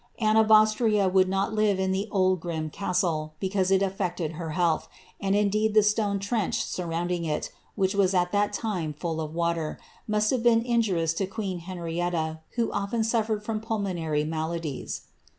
Anne of Austria would not live in the old grim castle, because it afiected her health ; and indeed the stone trench surrountling it, which was at that time full of water, must have been injurious to queen Henrietta, who often suflercd from pulmonary ma ladies.